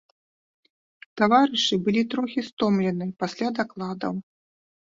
Таварышы былі трохі стомлены пасля дакладаў.